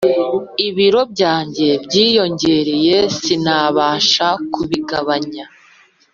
Ibiro byanjye byiyongereye sinabasha kubigabanya